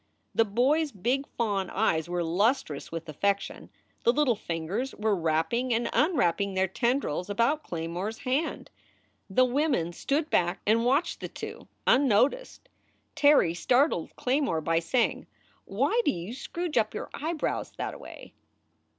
The boy s big fawn eyes were lustrous with affection, the little fingers were wrap ping and unwrapping their tendrils about Claymore s hand. The women stood back and watched the two, unnoticed. Terry startled Claymore by saying: "Why do you scrooge up your eyebrows thataway?"